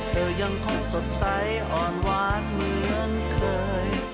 เธอยังคงสดใสอ่อนหวานเหมือนเคย